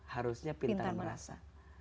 harusnya pintar merasa